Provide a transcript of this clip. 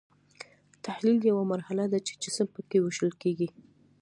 تحلیل یوه مرحله ده چې جسم پکې ویشل کیږي.